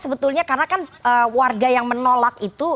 sebetulnya karena kan warga yang menolak itu